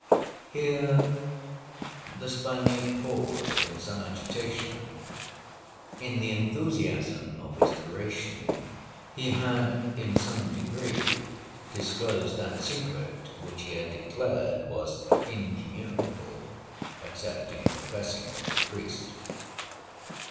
Here the Spaniard paused in some agitation. In the enthusiasm of his narration, he had in some degree disclosed that secret which he had declared was incommunicable, except in confessing to a priest.